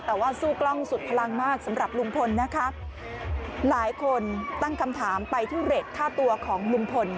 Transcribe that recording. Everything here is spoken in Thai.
แต่ว่าสู้กล้องสุดพลังมากสำหรับลุงพลนะคะหลายคนตั้งคำถามไปทุเรทค่าตัวของลุงพล